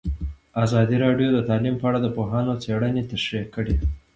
ازادي راډیو د تعلیم په اړه د پوهانو څېړنې تشریح کړې.